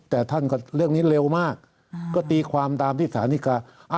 แต่ท่านก็เรื่องนี้เร็วมากก็ตีความตามที่สาริกา